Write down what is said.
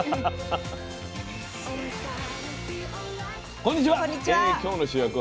こんにちは。